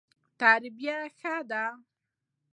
ترتیب ښه دی.